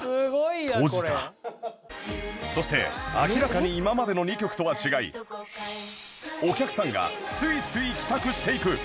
そして明らかに今までの２曲とは違いお客さんがスイスイ帰宅していく